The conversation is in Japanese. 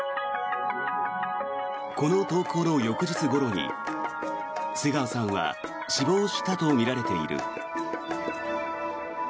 この投稿の翌日ごろに瀬川さんは死亡したとみられている。